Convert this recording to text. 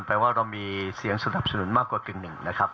แปลว่าเรามีเสียงสนับสนุนมากกว่ากึ่งหนึ่งนะครับ